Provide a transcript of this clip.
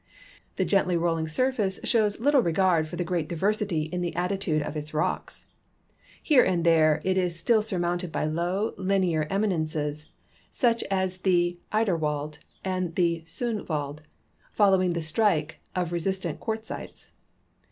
The gently rolling surface shows little regard for the great diversity in the attitude of its rocks. Here and there it is still surmounted by low, linear eminences, such as the Idarwald and the Soonwald, following the strike of resistant quartzites.